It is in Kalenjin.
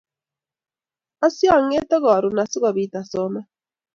Asiang'ete karon asikobit asoman